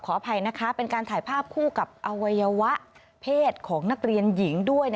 อภัยนะคะเป็นการถ่ายภาพคู่กับอวัยวะเพศของนักเรียนหญิงด้วย